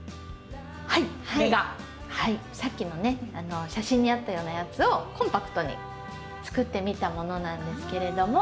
はいこれがさっきのね写真にあったようなやつをコンパクトに作ってみたものなんですけれども。